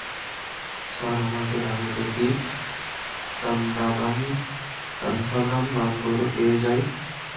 Sir, আমাদের আগে যদি সান্থানাম মালগুলো পেয়ে যায়?